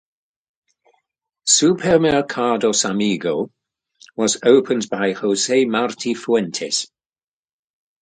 "Supermercados Amigo" was opened by Jose Marti Fuentes.